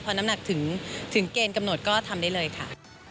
พอน้ำหนักถึงเกณฑ์กำหนดก็ทำได้เลยค่ะ